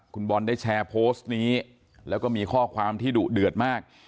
คุณบอลได้แชร์โพสต์นี้แล้วก็มีข้อความที่ดุเดือดมาก